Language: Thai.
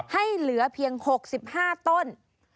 ให้เหลือเพียง๖๕ต้น